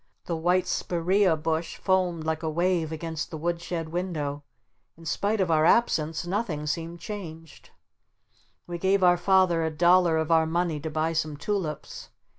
The white Spirea bush foamed like a wave against the wood shed window. In spite of our absence nothing seemed changed. We gave our Father a dollar of our money to buy some Tulips.